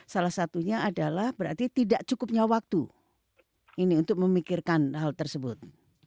salah satunya adalah berarti tidak cukupnya waktu ini untuk memikirkan hal tersebut